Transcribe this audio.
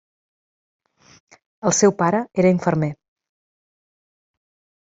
El seu pare era infermer.